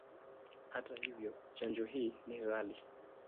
Hata hivyo, chanjo hii ni ghali.